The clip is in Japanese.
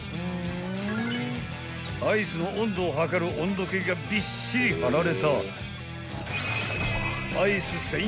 ［アイスの温度を測る温度計がびっしり貼られた］